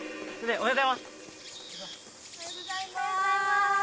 おはようございます！